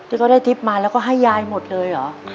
ก็ได้ทริปมาแล้วก็ให้ยายหมดเลยเหรอ